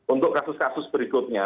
untuk kasus kasus berikutnya